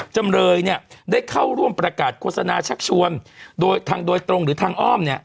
จำเลยได้เข้าร่วมประกาศโฆษณาชักชวนโดยตรงหรือทางอ้อม